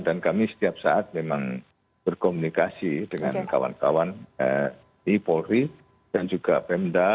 dan kami setiap saat memang berkomunikasi dengan kawan kawan tni polri dan juga pemda